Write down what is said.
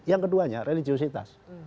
yang keduanya religiositas